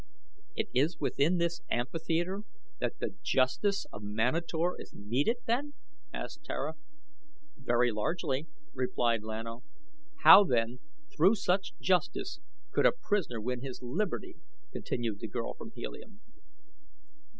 "It is within this amphitheater that the justice of Manator is meted, then?" asked Tara. "Very largely," replied Lan O. "How, then, through such justice, could a prisoner win his liberty?" continued the girl from Helium.